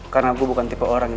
karena gue bukan tipe orang yang